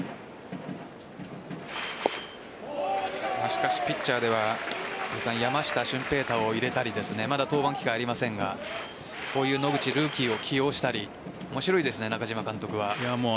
しかしピッチャーでは山下舜平大を入れたりですとかまだ登板機会ありませんがこういう野口ルーキーを起用したり面白いですね、中嶋監督は。